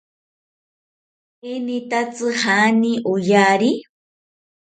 ¿Enitatzi jaani oyari?